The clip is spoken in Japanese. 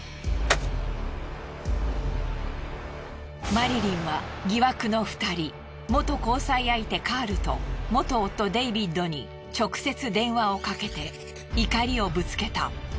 マリリンは疑惑の２人元交際相手カールと元夫デイビッドに直接電話をかけて怒りをぶつけた。